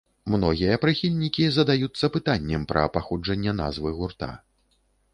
Многія прыхільнікі задаюцца пытаннем пра паходжанне назвы гурта.